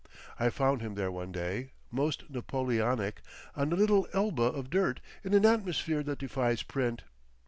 I found him there one day, most Napoleonic, on a little Elba of dirt, in an atmosphere that defies print.